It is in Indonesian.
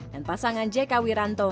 dan pasangan jk wiranto